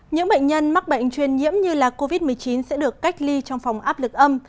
những bệnh nhân mắc bệnh truyền nhiễm như là covid một mươi chín sẽ được cách ly trong phòng áp lực âm